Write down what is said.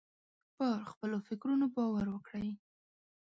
پر خپلو فکرونو باور وکړئ.